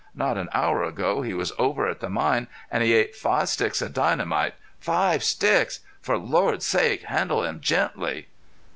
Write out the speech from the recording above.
Not an hour ago he was over at the mine, an' he ate five sticks of dynamite! Five sticks! For Lord's sake handle him gently!"